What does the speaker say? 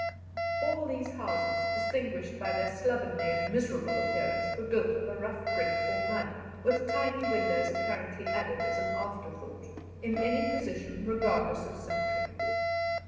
All these houses, distinguished by their slovenly and miserable appearance, were built of rough brick or mud, with tiny windows apparently added as an afterthought, in any position, regardless of symmetry.